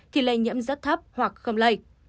thì lây nhiễm rất thấp hoặc không lây